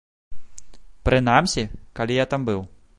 Прынамсі, калі я там быў.